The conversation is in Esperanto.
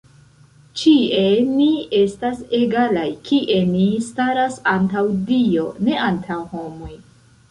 Ĉie ni estas egalaj, kie ni staras antaŭ Dio, ne antaŭ homoj.